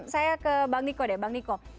saya ke bang niko deh bang niko